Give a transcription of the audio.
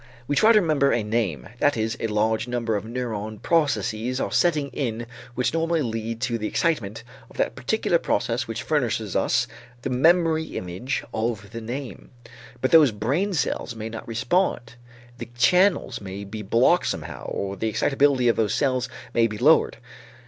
We try to remember a name, that is, a large number of neuron processes are setting in which normally lead to the excitement of that particular process which furnishes us the memory image of the name. But those brain cells may not respond, the channels may be blocked somehow or the excitability of those cells may be lowered.